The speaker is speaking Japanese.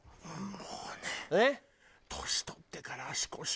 もうね年取ってから足腰をやると。